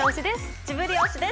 ジブリ推しです。